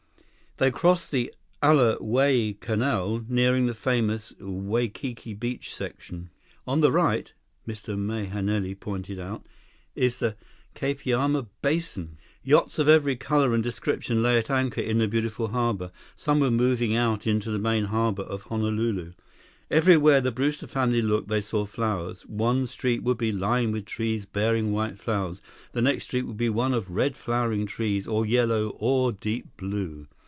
They crossed the Ala Wai Canal nearing the famous Waikiki Beach section. "On the right," Mr. Mahenili pointed out, "is the Kapaiama Basin." Yachts of every color and description lay at anchor in the beautiful harbor. Some were moving out into the main harbor of Honolulu. Everywhere the Brewster family looked, they saw flowers. One street would be lined with trees bearing white flowers. The next street would be one of red flowering trees, or yellow, or deep blue.